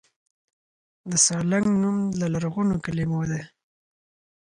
د سالنګ نوم له لرغونو کلمو دی